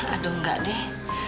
aduh enggak deh